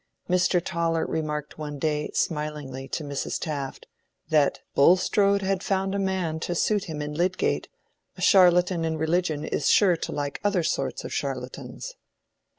Mr. Toller remarked one day, smilingly, to Mrs. Taft, that "Bulstrode had found a man to suit him in Lydgate; a charlatan in religion is sure to like other sorts of charlatans."